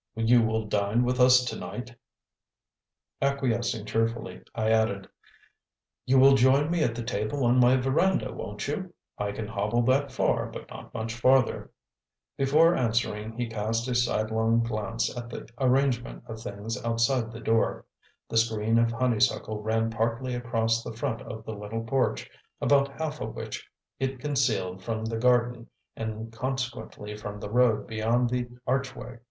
You will dine with us to night?" Acquiescing cheerfully, I added: "You will join me at the table on my veranda, won't you? I can hobble that far but not much farther." Before answering he cast a sidelong glance at the arrangement of things outside the door. The screen of honeysuckle ran partly across the front of the little porch, about half of which it concealed from the garden and consequently from the road beyond the archway.